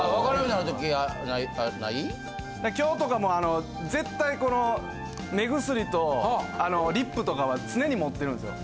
今日とかもあの絶対この目薬とあのリップとかは常に持ってるんですよ。